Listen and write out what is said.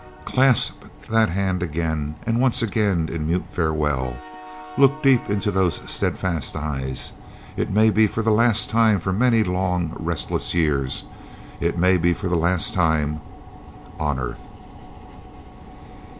Clasp that hand again, and once again, in mute farewell. Look deep into those steadfast eyes. It may be for the last time for many long, relentless years; it may be for the last time on earth!